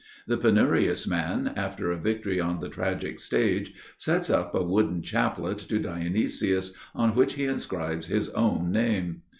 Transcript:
The penurious man, after a victory on the tragic stage, sets up a wooden chaplet to Dionysus, on which he inscribes his own name.